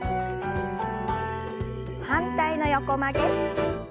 反対の横曲げ。